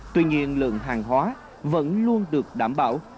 tuy nhiên lượng hàng hóa vẫn luôn được đảm bảo